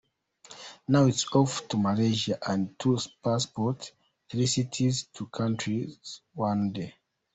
"Now it's off to Malaysia" and "Two passports, three cities, two countries, one day.